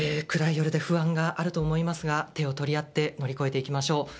暗い夜で不安があると思いますが手を取り合って乗り越えていきましょう。